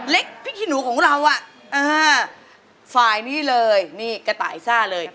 เล็กหินูของเราอ่ะฟายนี่เลยเนี่ยกระไตซ่าเลย